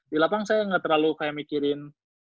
di lapang saya gak terlalu kayak mikirin